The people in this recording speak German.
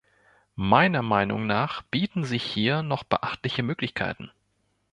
Meiner Meinung nach bieten sich hier noch beachtliche Möglichkeiten.